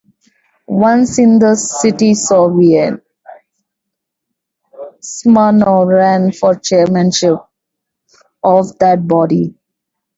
Once in the city soviet, Smirnov ran for chairmanship of that body.